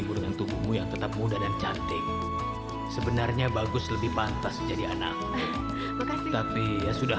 walaupun dia itu seorang perampok